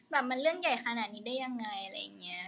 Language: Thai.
แบบมันเรื่องใหญ่ขนาดนี้ได้ยังไงอะไรอย่างนี้